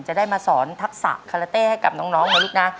จะได้มาสอนทักษะคาราเต้ให้กับน้องนะลูกนะ